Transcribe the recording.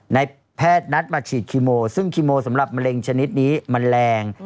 ในแพทย์นัดมาฉีดคีโมซึ่งคีโมสำหรับมะเร็งชนิดนี้มันแรง